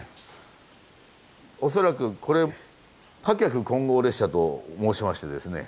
恐らくこれ貨客混合列車と申しましてですね